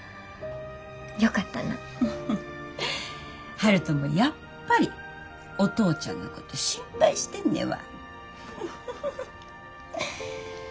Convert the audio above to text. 悠人もやっぱりお父ちゃんのこと心配してんねやわ。